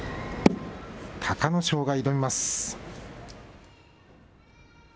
隆の勝が挑みます。